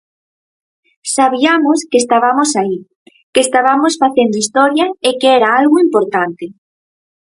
Sabiamos que estabamos aí, que estabamos facendo historia e que era algo importante.